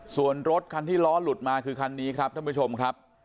ส่วนรถคันที่ล้อหลุดมาคือคันนี้ครับท่านผู้ชมครับ